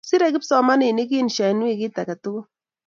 sere kipsomaninik insha en wikit aketukul